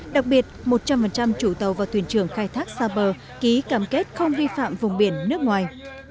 đặc biệt một trăm linh chủ tàu và thuyền trưởng khai thác xa bờ ký cam kết không vi phạm vùng biển nước ngoài